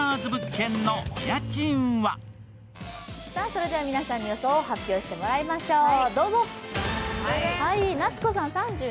それでは皆さんに予想を発表してもらいましょう。